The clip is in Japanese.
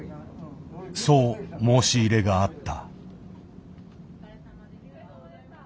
そう申し入れがあった。